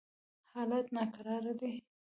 حالات ناکراره دي.